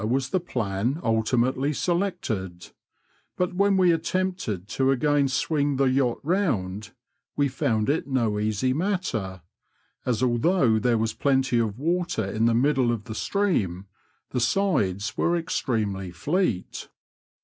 was the plan ultimately selected ; but when we attempted to again swing the yacht round, we found it no easy matter, as although there was plenty of water in the middle of the stream, the sides were extremely fleet.